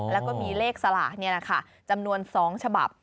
แล้วก็มีเลขสลากนี่แหละค่ะจำนวน๒ฉบับ